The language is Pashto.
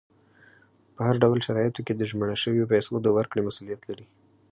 په هر ډول شرایطو کې د ژمنه شویو پیسو د ورکړې مسولیت لري.